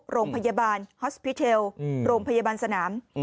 โรงพยาบาลฮอสพิเทลโรงพยาบาลสนาม